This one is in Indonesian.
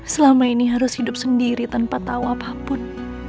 selama ini harus hidup sendiri tanpa tahu apapun